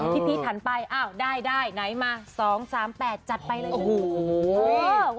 พี่พีชถันไปอ้าวได้ไหนมา๒๓๘จัดไปเลย